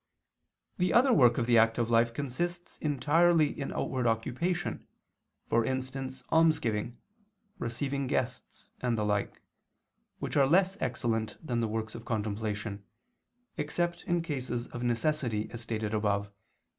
The other work of the active life consists entirely in outward occupation, for instance almsgiving, receiving guests, and the like, which are less excellent than the works of contemplation, except in cases of necessity, as stated above (Q.